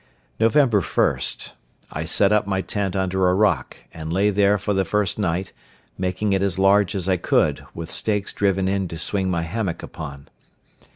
November 1.—I set up my tent under a rock, and lay there for the first night; making it as large as I could, with stakes driven in to swing my hammock upon.